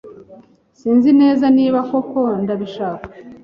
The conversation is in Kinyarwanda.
Sinzi neza niba koko ndabishaka.